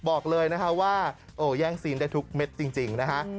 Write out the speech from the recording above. บอกเลยว่าแย่งซีนได้ทุกเม็ดจริงนะครับ